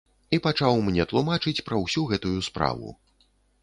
І пачаў мне тлумачыць пра ўсю гэтую справу.